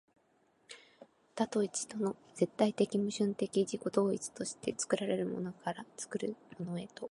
多と一との絶対矛盾的自己同一として、作られたものから作るものへと、